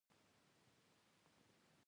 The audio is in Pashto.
د شړومبو بازار په اوړي کې څنګه وي؟